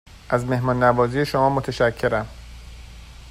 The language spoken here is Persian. از مهمان نوازی شما متشکرم.